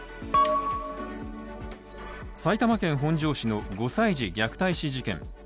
埼玉県本庄市の５歳児虐待死事件。